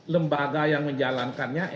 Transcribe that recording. lembaga yang menjalankannya mk